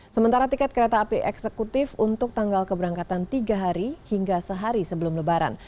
sementara tiket kereta api eksekutif untuk tanggal keberangkatan tiga hari hingga sehari sebelum lebaran